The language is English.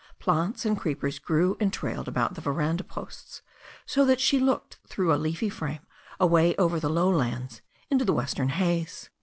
Plants and creepers grew and trailed about the veranda posts, so that she looked through a leafy frame away over the low lands into the western haze.